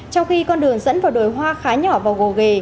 trong khi con đường dẫn vào đồi hoa khá nhỏ vào gồ ghề